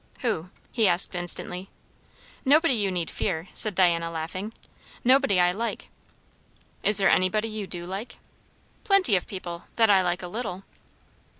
"Who?" he asked instantly. "Nobody you need fear," said Diana, laughing. "Nobody I like." "Is there anybody you do like?" "Plenty of people that I like a little."